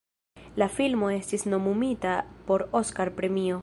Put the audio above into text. La filmo estis nomumita por Oskar-premio.